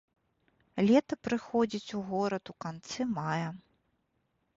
Лета прыходзіць у горад у канцы мая.